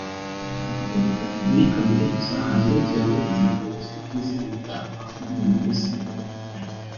muri iyi kaminuza hari n’inzu yamwitiriwe izwi ku izina rya Audi Revesque